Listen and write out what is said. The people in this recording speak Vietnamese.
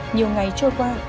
nhiều ngày trôi qua